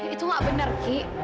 itu nggak benar ki